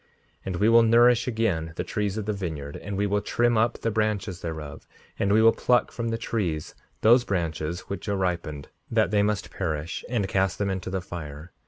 5:58 And we will nourish again the trees of the vineyard, and we will trim up the branches thereof; and we will pluck from the trees those branches which are ripened, that must perish, and cast them into the fire.